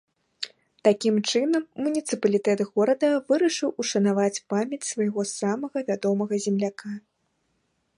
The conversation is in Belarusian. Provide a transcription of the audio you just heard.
Такім чынам муніцыпалітэт горада вырашыў ушанаваць памяць свайго самага вядомага земляка.